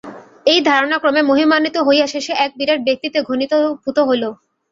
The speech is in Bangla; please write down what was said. এই ধারণা ক্রমে মহিমান্বিত হইয়া শেষে এক বিরাট ব্যক্তিত্বে ঘনীভূত হইল।